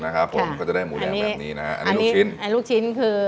นะครับผมก็จะได้หมูแดงแบบนี้นะฮะอันนี้ลูกชิ้นอันนี้ลูกชิ้นคือ